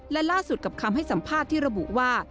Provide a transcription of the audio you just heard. และล่าสุดกับคำให้สัมภาษณ์ที่ระบุว่า